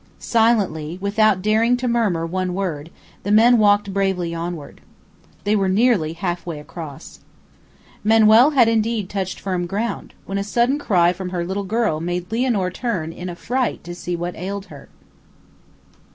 Silently, without daring to murmur one word, the men walked bravely onward. They were nearly half way across. Manuel had indeed touched firm ground, when a sudden cry from her little girl made Lianor turn in affright to see what ailed her.